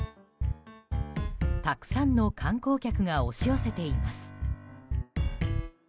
たくさんの観光客が押し寄せています。